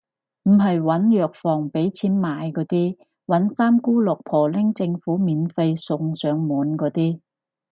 唔係搵藥房畀錢買嗰啲，搵三姑六婆拎政府免費送上門嗰啲